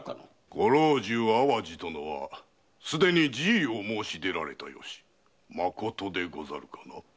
御老中・淡路殿はすでに辞意を申し出られた由まことでござるかな？